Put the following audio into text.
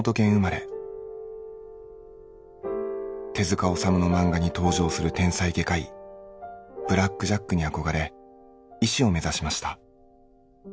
田上さんは手治虫の漫画に登場する天才外科医ブラック・ジャックに憧れ医師を目指しました。